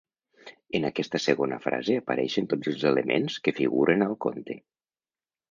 En aquesta segona frase apareixen tots els elements que figuren al conte.